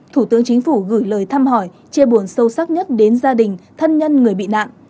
thủ tướng chính phủ gửi lời thăm hỏi chia buồn sâu sắc nhất đến gia đình thân nhân người bị nạn